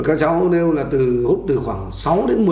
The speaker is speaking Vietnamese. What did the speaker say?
các cháu nêu là hút từ khoảng sáu mươi đồng